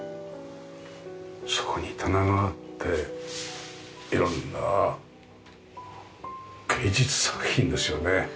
そこに棚があって色んな芸術作品ですよね